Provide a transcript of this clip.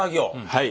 はい。